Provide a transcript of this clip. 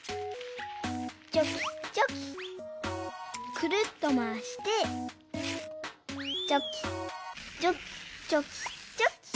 くるっとまわしてちょきちょきちょきちょき。